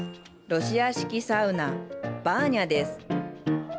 ロシア式サウナ、バーニャです。